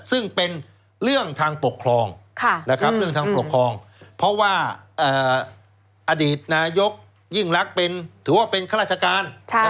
ซึ่งเป็นเรื่องทางปกครองเพราะว่าอดีตนายกยิ่งรักถือว่าเป็นคลาชการ